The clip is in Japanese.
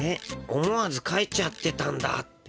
「思わず書いちゃってたんだ」って？